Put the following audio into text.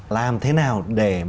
làm thế nào để